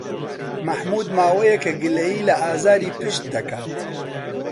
مەحموود ماوەیەکە گلەیی لە ئازاری پشت دەکات.